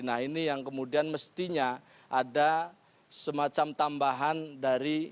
nah ini yang kemudian mestinya ada semacam tambahan dari